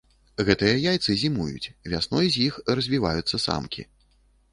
Гэтыя яйцы зімуюць, вясной з іх развіваюцца самкі.